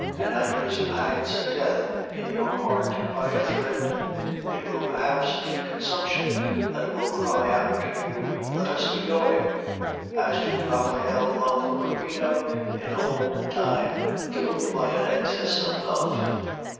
An aneurism hangs death in your heart by a thread. It will perhaps be consumption that will cry out to me, 'Let us be going!' as to Raphael of Urbino, in old time, killed by an excess of love.